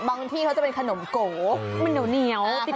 บางที่เขาจะเป็นขนมโกมันเหนียวติดคอ